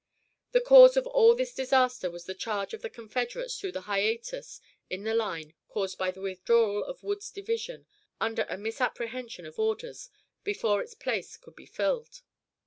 The cause of all this disaster was the charge of the Confederates through the hiatus in the line caused by the withdrawal of Wood's division, under a misapprehension of orders, before its place could be filled.